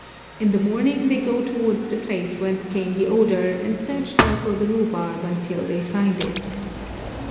In the morning they go towards the place whence came the odour, and search there for the rhubarb until they find it.